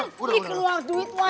eh kita tidak bisa